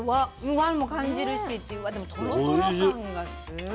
和も感じるしっていうでもトロトロ感がすごい。